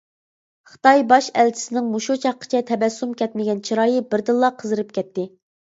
خىتاي باش ئەلچىسىنىڭ مۇشۇ چاغقىچە تەبەسسۇم كەتمىگەن چىرايى بىردىنلا قىزىرىپ كەتتى.